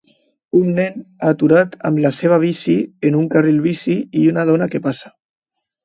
Un nen aturat amb la seva bici en un carril bici i una dona que passa.